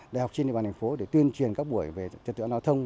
đại học trên địa bàn thành phố để tuyên truyền các buổi về trật tựa giao thông